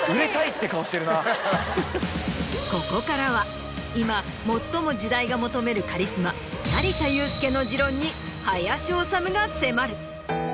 ここからは今最も時代が求めるカリスマ成田悠輔の持論に林修が迫る。